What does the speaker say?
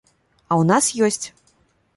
А ў нас ёсць!